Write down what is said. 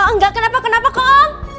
enggak kenapa kenapa kok